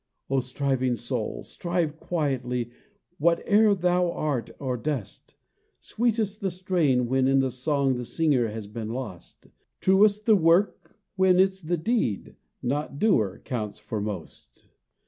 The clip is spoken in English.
O striving soul! strive quietly, Whate'er thou art or dost, Sweetest the strain, when in the song The singer has been lost; Truest the work, when 't is the deed, Not doer, counts for most!